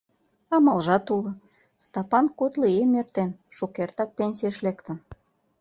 Амалжат уло: Стапан кудло ийым эртен, шукертак пенсийыш лектын.